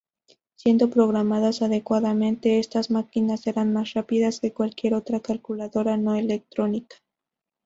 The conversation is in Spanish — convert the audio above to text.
Siendo programadas adecuadamente, estas máquinas eran más rápidas que cualquier otra calculadora no electrónica.